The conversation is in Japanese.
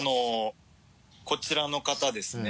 こちらの方ですね。